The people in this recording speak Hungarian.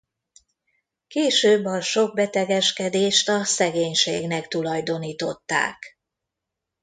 Később a sok betegeskedést a szegénységnek tulajdonították.